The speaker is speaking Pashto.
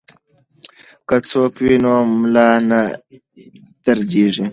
که څوکۍ وي نو ملا نه دردیږي.